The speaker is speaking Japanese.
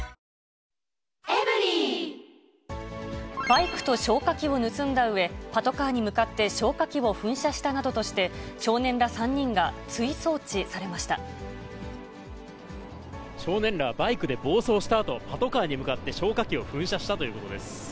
バイクと消火器を盗んだうえ、パトカーに向かって消火器を噴射したなどとして、少年らはバイクで暴走したあと、パトカーに向かって消火器を噴射したということです。